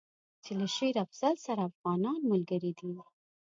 چې له شېر افضل سره افغانان ملګري دي.